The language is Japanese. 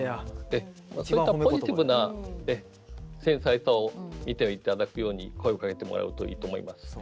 ポジティブな繊細さを見ていただくように声をかけてもらえるといいと思います。